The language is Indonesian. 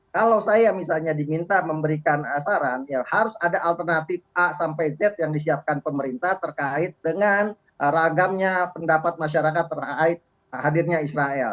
kalau saya misalnya diminta memberikan saran ya harus ada alternatif a sampai z yang disiapkan pemerintah terkait dengan ragamnya pendapat masyarakat terkait hadirnya israel